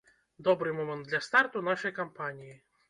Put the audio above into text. Добры момант для старту нашай кампаніі!